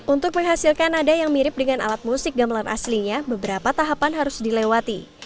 untuk menghasilkan nada yang mirip dengan alat musik gamelan aslinya beberapa tahapan harus dilewati